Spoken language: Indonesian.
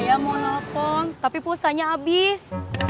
saya mau nelfon tapi pusatnya habis